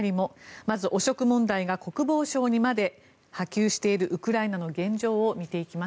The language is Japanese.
まず汚職問題が国防省にまで波及しているウクライナの現状を見ていきます。